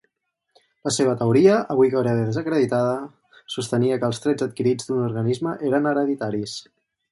La seva teoria, avui gairebé desacreditada, sostenia que els trets adquirits d'un organisme eren hereditaris.